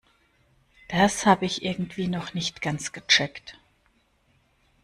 Das habe ich irgendwie noch nicht ganz gecheckt.